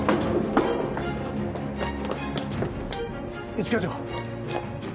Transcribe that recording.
一課長。